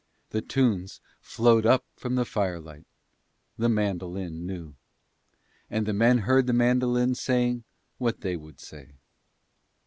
The tunes flowed up from the firelight: the mandolin knew. And the men heard the mandolin saying what they would say.